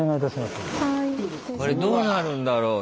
これどうなるんだろう？